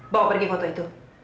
bawa pergi foto itu